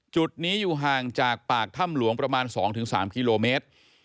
จุดนี้อยู่ห่างจากปากถ้ำหลวงประมาณ๒๓กิโลเมตร